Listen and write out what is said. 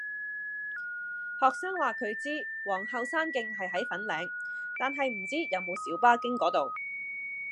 學生話佢知皇后山徑係喺粉嶺，但係唔知有冇小巴經嗰度